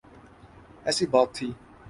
ایسی بات تھی۔